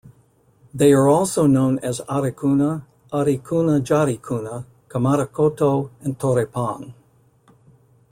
They are also known as Arecuna, Aricuna Jaricuna, Kamarakoto, and Taurepang.